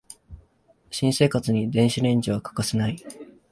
新生活に電子レンジは欠かせない